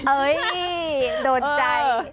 เอ้ยดูดใจ